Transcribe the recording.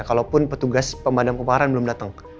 kalaupun petugas pemadam kebakaran belum datang